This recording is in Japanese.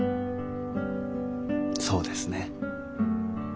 そうですね。